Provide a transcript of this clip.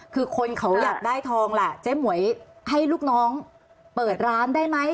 คือคนเขาอยากได้ทองล่ะเจ๊หมวยให้ลูกน้องเปิดร้านได้ไหม